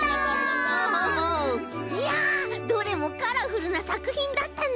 いやどれもカラフルなさくひんだったね。